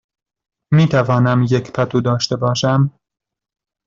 می توانم یک پتو داشته باشم؟